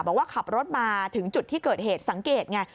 บอกว่าขับรถมาถึงจุดที่เกิดเหตุสังเกตไง